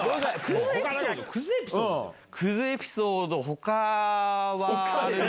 クズエピソード。